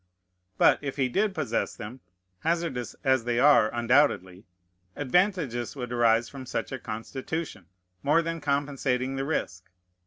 But, if he did possess them, hazardous as they are undoubtedly, advantages would arise from such a Constitution, more than compensating the risk.